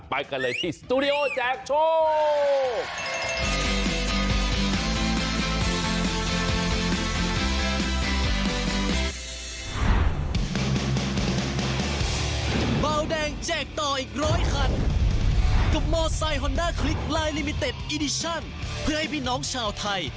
ไปกันเลยที่สตูดิโอแจกโชค